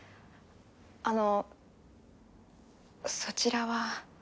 あのそちらは？